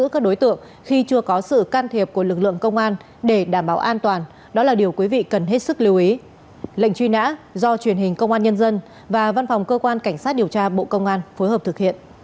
các đối tượng thực hiện được hành vi phần lớn cũng do nhiều khán giả khi đến xem trận đấu chưa nắm rõ được những yêu cầu của ban tổ chức